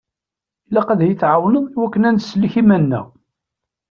Ilaq ad yi-tɛawneḍ i wakken ad nsellek iman-nneɣ.